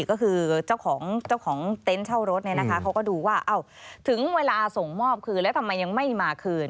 ก็คือเจ้าของเจ้าของเต็นต์เช่ารถเนี่ยนะคะเขาก็ดูว่าถึงเวลาส่งมอบคืนแล้วทำไมยังไม่มาคืน